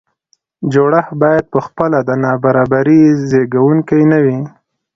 جوړښت باید په خپله د نابرابرۍ زیږوونکی نه وي.